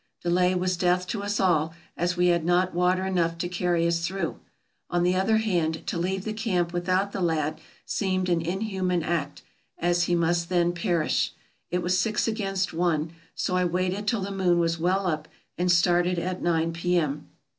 Delay was death to us all, as we had not water enough to carry us through ; on the other hand, to leave the camp without the lad seemed an inhuman act, as he must then perish. It was six against one, so I waited till the moon was well up, and started at nine P.M.